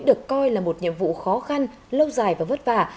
được coi là một nhiệm vụ khó khăn lâu dài và vất vả